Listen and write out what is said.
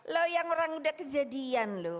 lo yang orang udah kejadian loh